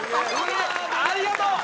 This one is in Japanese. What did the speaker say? ありがとう！